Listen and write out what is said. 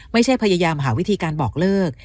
ไม่ใช่พยายามหาวิธีการบอกเลิก